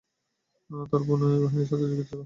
তার বোনও এ বাহিনীর সাথে গিয়েছিল।